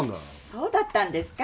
そうだったんですか？